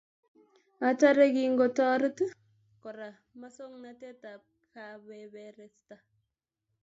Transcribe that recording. Atare, kikotorit kora masongnatet ab kabeberesta